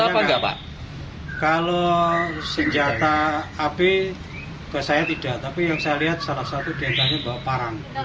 mata api saya tidak tapi yang saya lihat salah satu diantaranya mbak parang